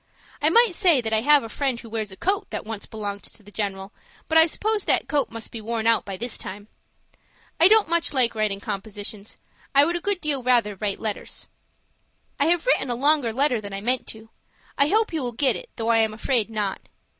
I might say that I have a friend who wears a coat that once belonged to the general. But I suppose that coat must be worn out by this time. I don't much like writing compositions. I would a good deal rather write letters. "I have written a longer letter than I meant to. I hope you will get it, though I am afraid not.